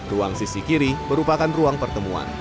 ruang sisi kiri merupakan ruang pertemuan